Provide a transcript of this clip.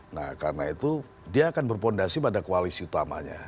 nah karena itu dia akan berpondasi pada koalisi utamanya